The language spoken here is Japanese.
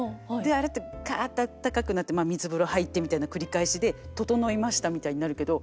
あれってカッとあったかくなって水風呂入ってみたいな繰り返しで整いましたみたいになるけど。